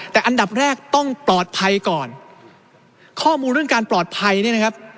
แต่อันดับแรกต้องปลอดภัยก่อนข้อมูลเรื่องการปลอดภัยเนี่ยนะครับ